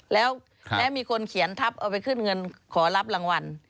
แล้วมีคนเขียนทัพเอาไปขึ้นเงินขอรับรางวัล